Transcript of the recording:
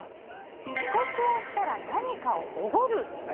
遅刻をしたら何かをおごる。